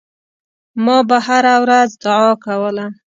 ما به هره ورځ دعا کوله.